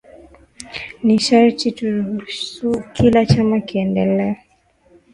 nisharti turuhusu kila chama kiendelee